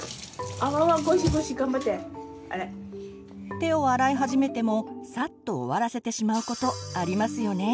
手を洗い始めてもさっと終わらせてしまうことありますよね。